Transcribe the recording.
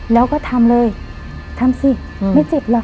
แล้วก็ทำเลยทำสิไม่เจ็บหรอก